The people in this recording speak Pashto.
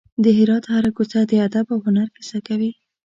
د هرات هره کوڅه د ادب او هنر کیسه کوي.